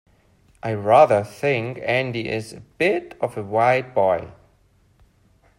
I rather think Andy is a bit of a wide boy.